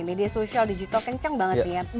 media sosial digital kenceng banget nih ya